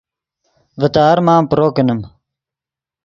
ڤے تے ارمان پرو کینیم